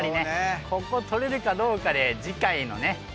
こことれるかどうかで次回のね